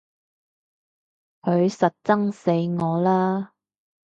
佢實憎死我啦！